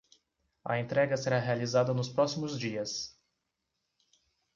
A entrega será realizada nos próximos dias